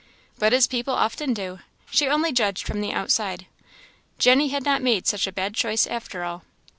But as people often do, she only judged from the outside; Jenny had not made such a bad choice after all.